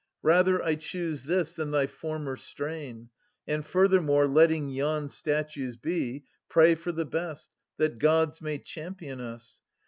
Rather I choose this than thy former strain. And, furthermore, letting yon statues be, Pray for the best, that Gods may champion us.